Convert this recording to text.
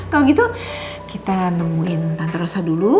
kalau gitu kita nemuin tante rosa dulu